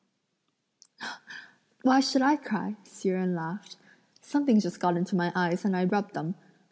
"Why should I cry?" Hsi Jen laughed; "something just got into my eyes and I rubbed them."